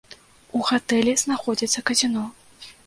У гатэлі знаходзіцца казіно.